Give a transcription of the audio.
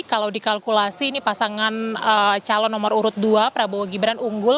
kalau dikalkulasi ini pasangan calon nomor urut dua prabowo gibran unggul